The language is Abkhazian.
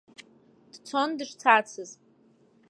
Дцон дышцацыз.